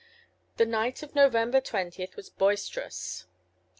The night of November 20 was boisterous.